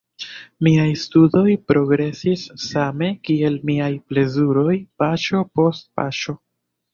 Miaj studoj progresis same, kiel miaj plezuroj, paŝo post paŝo.